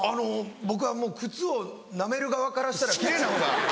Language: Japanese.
僕はもう靴をなめる側からしたら奇麗なほうが。